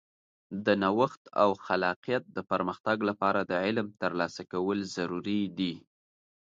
د نوښت او خلاقیت د پرمختګ لپاره د علم ترلاسه کول ضروري دي.